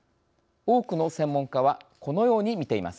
多くの専門家はこのように見ています。